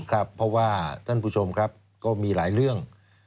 เพราะว่าท่านผู้ชมครับก็มีหลายเรื่อง